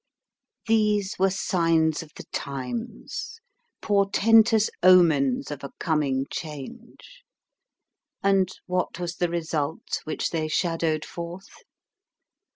These were signs of the times, portentous omens of a coming change ; and what was the result which they shadowed forth